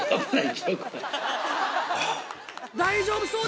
大丈夫か？